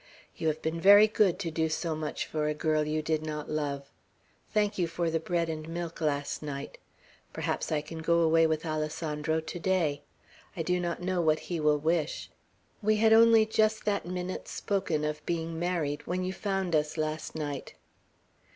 "You have been very good to do so much for a girl you did not love. Thank you for the bread and milk last night. Perhaps I can go away with Alessandro to day. I do not know what he will wish. We had only just that minute spoken of being married, when you found us last night."